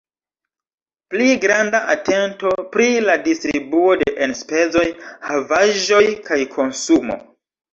Pli granda atento pri la distribuo de enspezoj, havaĵoj kaj konsumo.